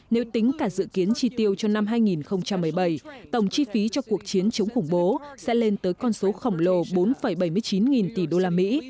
nếu tính cả dự kiến chi tiêu cho năm hai nghìn một mươi bảy tổng chi phí cho cuộc chiến chống khủng bố sẽ lên tới con số khổng lồ bốn bảy mươi chín nghìn tỷ đô la mỹ